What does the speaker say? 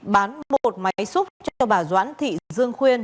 bán một máy xúc cho bà doãn thị dương khuyên